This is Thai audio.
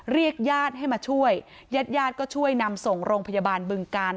เรียกญาติให้มาช่วยญาติญาติก็ช่วยนำส่งโรงพยาบาลบึงกาล